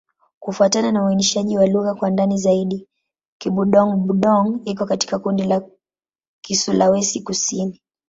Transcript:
Kufuatana na uainishaji wa lugha kwa ndani zaidi, Kibudong-Budong iko katika kundi la Kisulawesi-Kusini.